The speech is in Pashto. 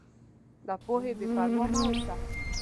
له پوهې بېپروا مه اوسه.